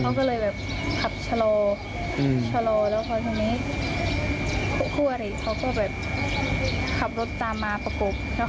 เขาก็เลยแบบขับชะลอชะลอแล้วพอทางนี้คู่อริเขาก็แบบขับรถตามมาประกบ